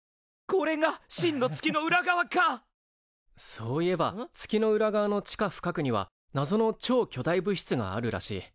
そういえば月の裏側の地下深くにはなぞの超巨大物質があるらしい。